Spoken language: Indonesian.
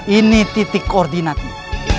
ini titik koordinatnya